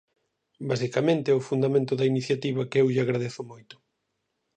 Basicamente é o fundamento da iniciativa, que eu lle agradezo moito.